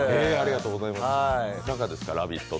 いかがですか、「ラヴィット！」